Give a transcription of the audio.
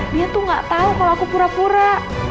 dia tuh gak tau kalau aku pura pura